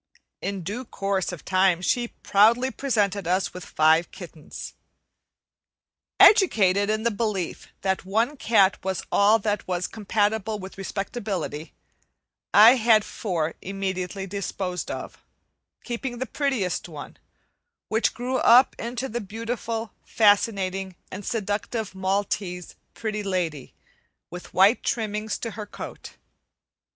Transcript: In due course of time she proudly presented us with five kittens. Educated in the belief that one cat was all that was compatible with respectability, I had four immediately disposed of, keeping the prettiest one, which grew up into the beautiful, fascinating, and seductive maltese "Pretty Lady," with white trimmings to her coat.